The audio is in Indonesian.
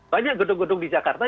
banyak gedung gedung di jakarta